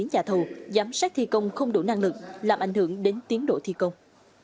nhà thầu giám sát thi công không đủ năng lực làm ảnh hưởng đến tiến độ thi công